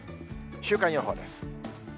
週間予報です。